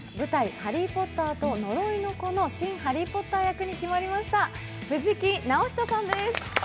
「ハリー・ポッターと呪いの子」の新ハリー・ポッター役に決まりました藤木直人さんです。